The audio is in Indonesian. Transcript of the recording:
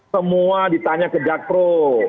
semua ditanya ke jakpro